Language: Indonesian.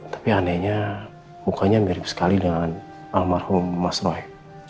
tapi anehnya mukanya mirip sekali dengan almarhum mas roy